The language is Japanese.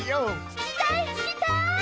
聞きたい聞きたい！